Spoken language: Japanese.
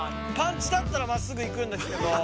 パンチだったらまっすぐいくんですけど。